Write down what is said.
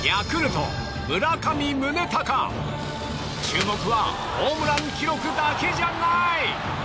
注目はホームラン記録だけじゃない！